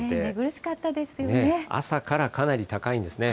朝からかなり高いんですね。